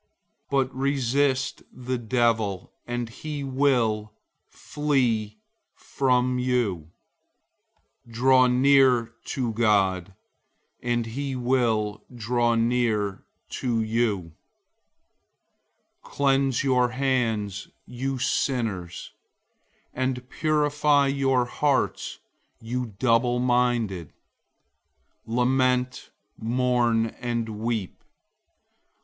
But resist the devil, and he will flee from you. 004:008 Draw near to God, and he will draw near to you. Cleanse your hands, you sinners; and purify your hearts, you double minded. 004:009 Lament, mourn, and weep.